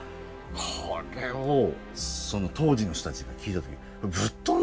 これを当時の人たちが聴いた時ぶっ飛んだろうな。